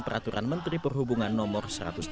peraturan menteri perhubungan nomor satu ratus delapan puluh